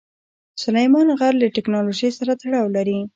سلیمان غر له تکنالوژۍ سره تړاو لري.